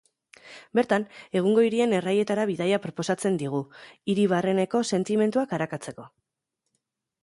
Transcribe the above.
Bertan, egungo hirien erraietara bidaia proposatzen digu, hiri barreneko sentimenduak arakatzeko.